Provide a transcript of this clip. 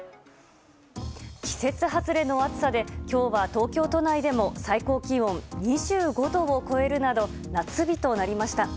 季節外れの暑さで今日は東京都内でも最高気温２５度を超えるなど夏日となりました。